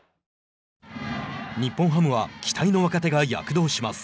日本ハムは期待の若手が躍動します。